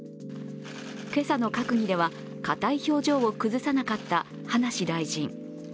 今朝の閣議では、硬い表情を崩さなかった葉梨大臣。